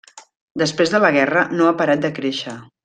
Després de la guerra no ha parat de créixer.